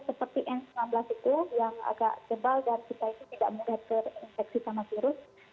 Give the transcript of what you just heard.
seperti n sembilan belas itu yang agak tebal dan kita itu tidak mudah terinfeksi sama virus